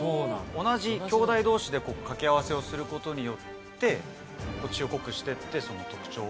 同じきょうだい同士で掛け合わせをすることによって血を濃くしてってその特徴。